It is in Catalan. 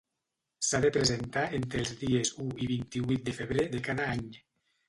S'ha de presentar entre els dies u i vint-i-vuit de febrer de cada any.